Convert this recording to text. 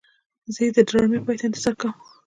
زه د ډرامې پای ته انتظار کوم.